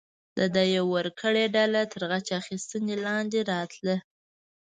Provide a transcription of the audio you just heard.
د دیه ورکړې ډله تر غچ اخیستنې لاندې راتله.